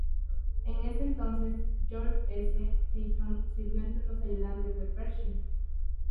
En ese entonces, George S. Patton sirvió entre los ayudantes de Pershing.